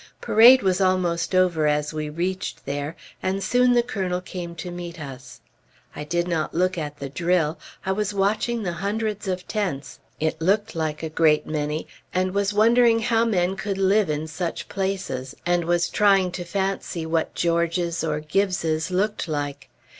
Parade was almost over as we reached there, and soon the Colonel came to meet us. I did not look at the drill. I was watching the hundreds of tents it looked like a great many and was wondering how men could live in such places, and was trying to fancy what George's or Gibbes's looked like.